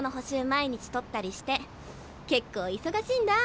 毎日取ったりして結構忙しいんだ。